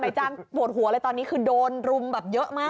นายจ้างโหดหัวเลยตอนนี้คือโดนรุมเยอะมาก